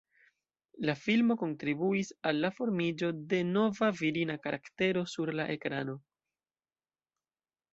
La filmo kontribuis al la formiĝo de nova virina karaktero sur la ekrano.